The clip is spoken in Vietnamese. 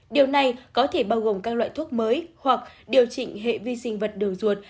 điều này có thể bao gồm các loại thuốc mới hoặc điều chỉnh hệ vi sinh vật đường ruột